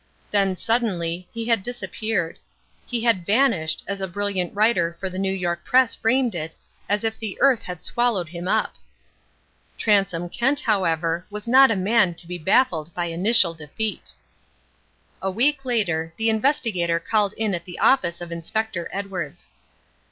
Then suddenly he had disappeared. He had vanished, as a brilliant writer for the New York Press framed it, as if the earth had swallowed him up. Transome Kent, however, was not a man to be baffled by initial defeat. A week later, the Investigator called in at the office of Inspector Edwards.